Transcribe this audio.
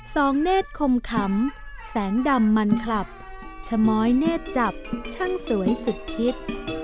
เนธคมขำแสงดำมันคลับชะม้อยเนธจับช่างสวยสุดฮิต